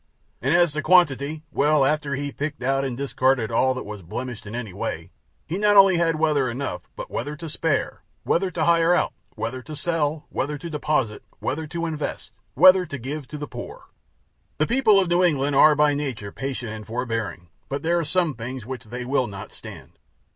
And as to quantity well, after he had picked out and discarded all that was blemished in any way, he not only had weather enough, but weather to spare; weather to hire out; weather to sell; to deposit; weather to invest; weather to give to the poor. The people of New England are by nature patient and forbearing, but there are some things which they will not stand.